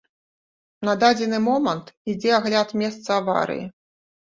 На дадзены момант ідзе агляд месца аварыі.